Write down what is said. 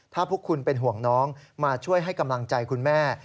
ถ้าพวกคุณเป็นห่วงน้องมาช่วยให้กำลังใจคุณแม่